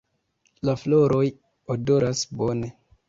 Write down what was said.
La floroj odoras bone.